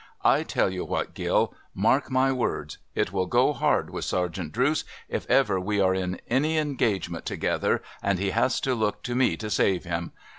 I tell you what, dill ! Mark my words : It will go hard with Sergeant Drooce, if ever we are in an engagement together, and he has to look to me to save him.